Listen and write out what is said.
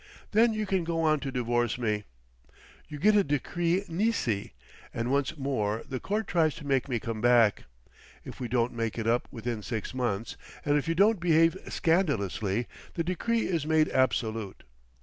Then you can go on to divorce me. You get a Decree Nisi, and once more the Court tries to make me come back. If we don't make it up within six months and if you don't behave scandalously the Decree is made absolute.